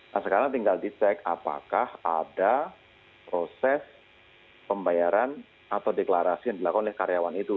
nah sekarang tinggal dicek apakah ada proses pembayaran atau deklarasi yang dilakukan oleh karyawan itu